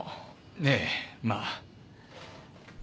ええまあ。